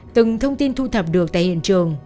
từng thông tin thu thập được tại hiện trường